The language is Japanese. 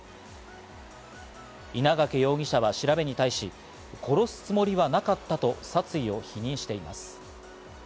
稲掛容疑者は調べに対し、殺すつもりはなかったと殺意を否認しています。